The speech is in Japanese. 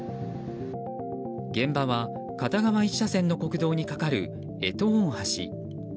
現場は片側１車線の国道に架かる干支大橋。